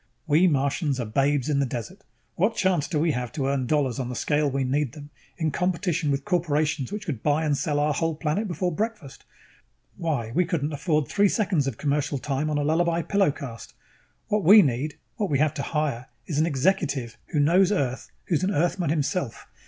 We Martians are babes in the desert. What chance do we have to earn dollars on the scale we need them, in competition with corporations which could buy and sell our whole planet before breakfast? Why, we couldn't afford three seconds of commercial time on a Lullaby Pillow 'cast. What we need, what we have to hire, is an executive who knows Earth, who's an Earthman himself.